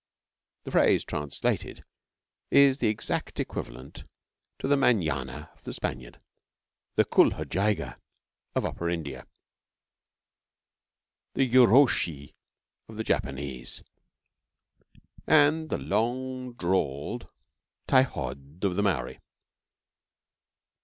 The phrase translated is the exact equivalent to the mañana of the Spaniard, the kul hojaiga of Upper India, the yuroshii of the Japanese, and the long drawled taihod of the Maori.